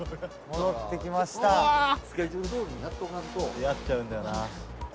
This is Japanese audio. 「出会っちゃうんだよな」